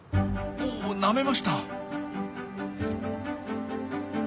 おなめました！